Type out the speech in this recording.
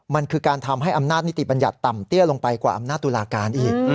มันคือการทำให้อำนาจนิติบัญญัติต่ำเตี้ยลงไปกว่าอำนาจตุลาการอีก